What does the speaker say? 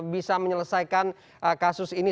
bisa menyelesaikan kasus ini